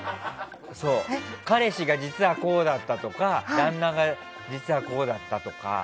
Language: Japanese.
彼氏が実はこうだったとか旦那が実はこうだったとか。